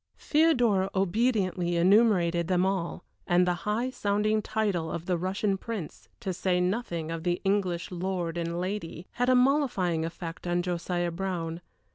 Theodora obediently enumerated them all, and the high sounding title of the Russian Prince, to say nothing of the English lord and lady, had a mollifying effect on Josiah Brown.